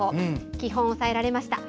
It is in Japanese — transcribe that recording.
基本押さえられました。